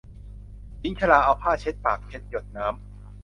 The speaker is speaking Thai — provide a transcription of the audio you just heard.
หญิงชราเอาผ้าเช็ดปากเช็ดหยดน้ำ